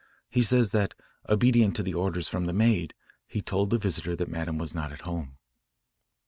He says that, obedient to the orders from the maid, he told the visitor that Madame was not at home."